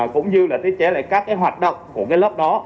cũng như là thiết chế lại các cái hoạt động của cái lớp đó